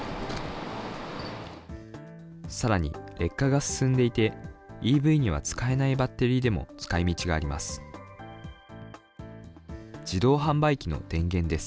さらに、劣化が進んでいてＥＶには使えないバッテリーでも使いみちがあります。